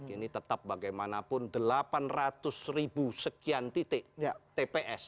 ini tetap bagaimanapun delapan ratus ribu sekian titik tps